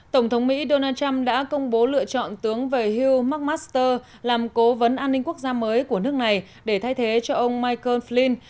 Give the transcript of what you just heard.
tổng thống mỹ donald trump đã công bố lựa chọn tướng về hill makmaster làm cố vấn an ninh quốc gia mới của nước này để thay thế cho ông michael flin